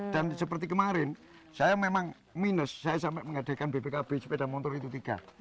dan seperti kemarin saya memang minus saya sampai mengadakan bpkb sepeda motor itu tiga